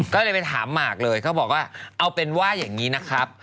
ก็เลยไปถามหมากเลยเขาบอกว่าเอาเป็นว่าอย่างนี้นะครับ